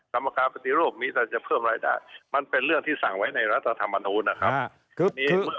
กรรมการปฏิรูปนี้เราจะเพิ่มรายได้มันเป็นเรื่องที่สั่งไว้ในรัฐธรรมนูญนะครับ